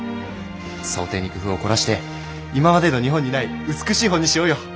装丁に工夫を凝らして今までの日本にない美しい本にしようよ。